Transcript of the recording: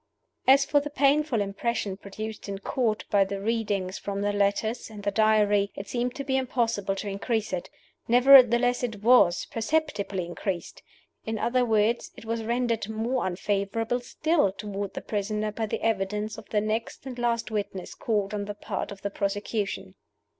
As for the painful impression produced in Court by the readings from the letters and the Diary, it seemed to be impossible to increase it. Nevertheless it was perceptibly increased. In other words, it was rendered more unfavorable still toward the prisoner by the evidence of the next and last witness called on the part of the prosecution.